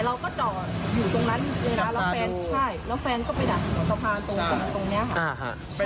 ดูโปรงแล้วไม่มี